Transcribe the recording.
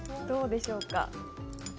どうでしょうか？